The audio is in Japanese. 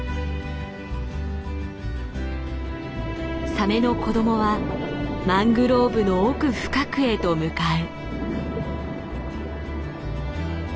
サメの子供はマングローブの奥深くへと向かう。